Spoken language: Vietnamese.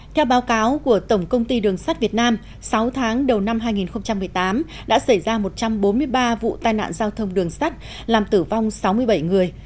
theo báo cáo của tổng công ty đường sắt việt nam sáu tháng đầu năm hai nghìn một mươi tám đã xảy ra một trăm bốn mươi ba vụ tai nạn giao thông đường sắt làm tử vong sáu mươi bảy người